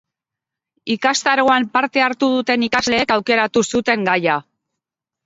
Ikastaroan parte hartu duten ikasleek aukeratu zuten gaia.